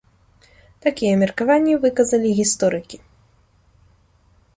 Такія меркаванні выказалі гісторыкі.